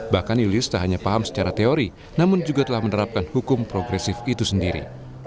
bahkan yulis tak hanya paham secara teori namun juga telah menerapkan hukum progresif itu sendiri